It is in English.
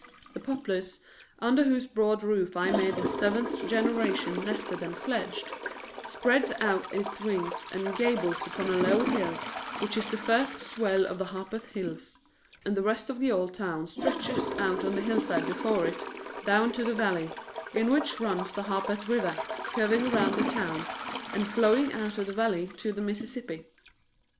The Poplars, under whose broad roof I made the seventh generation nested and fledged, spreads out its wings and gables upon a low hill which is the first swell of the Harpeth hills, and the rest of the old town stretches out on the hillside before it down to the valley, in which runs the Harpeth River, curving around the town and flowing out of the valley to the Mississippi.